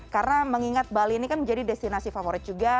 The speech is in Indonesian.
karena mengingat bali ini kan menjadi destinasi favorit juga